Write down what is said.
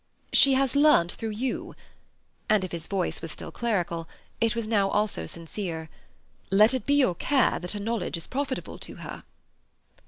"She has learnt through you," and if his voice was still clerical, it was now also sincere; "let it be your care that her knowledge is profitable to her."